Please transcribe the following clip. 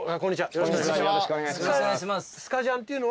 よろしくお願いします。